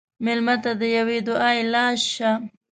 مېلمه ته د یوه دعایي لاس شه.